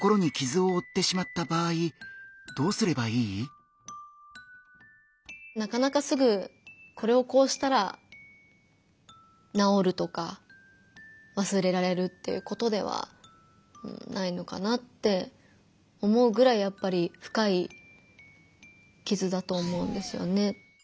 りりさんのようになかなかすぐこれをこうしたら治るとかわすれられるっていうことではないのかなって思うぐらいやっぱり深い傷だと思うんですよね。